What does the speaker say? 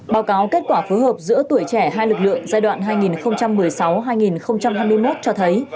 báo cáo kết quả phối hợp giữa tuổi trẻ hai lực lượng giai đoạn hai nghìn một mươi sáu hai nghìn hai mươi một cho thấy